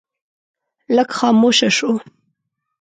لږ خاموشه شو.